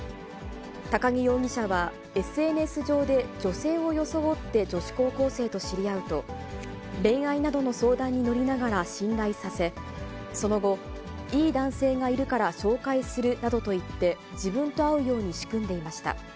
高木容疑者は、ＳＮＳ上で女性を装って女子高校生と知り合うと、恋愛などの相談に乗りながら信頼させ、その後、いい男性がいるから紹介するなどと言って、自分と会うように仕組んでいました。